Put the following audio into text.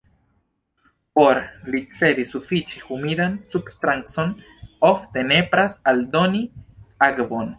Por ricevi sufiĉe humidan substancon ofte nepras aldoni akvon.